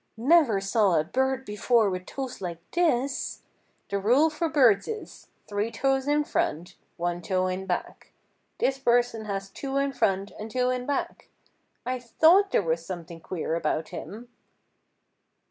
"Never saw a bird before with toes like his. The rule for birds is: three toes in front, one toe in back. This person has two in front and two in back. I thought there was something queer about him."